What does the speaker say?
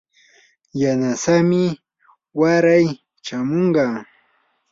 yanasamii waray chamunqa.